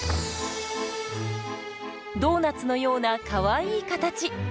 ドーナツのようなかわいい形。